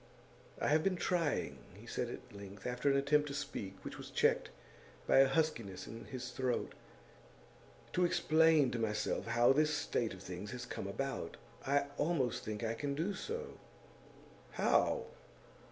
'I have been trying,' he said at length, after an attempt to speak which was checked by a huskiness in his throat, 'to explain to myself how this state of things has come about. I almost think I can do so.' 'How?